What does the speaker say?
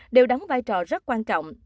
đều đóng vai trò rất quan trọng